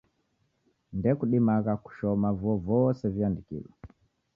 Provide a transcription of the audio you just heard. Ndekudimagha kushoma vuo vose viandikilo